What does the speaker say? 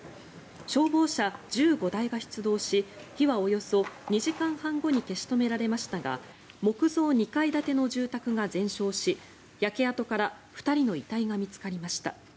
消防車１５台が出動し火はおよそ２時間半後に消し止められましたが木造２階建ての住宅が全焼し焼け跡から２人の遺体が見つかりました。